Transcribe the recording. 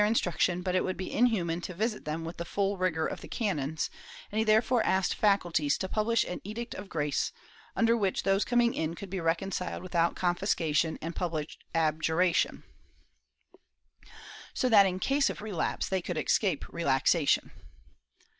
328 MOBiaCOS [Book VII] instruction, but it would be inhuman to visit them with the full rigor of the canons, and he therefore asked faculties to publish an Edict of Grace, imder which those coming in could be reconciled without confiscation and public abjuration, so that, in case of relapse, they could escape relaxation.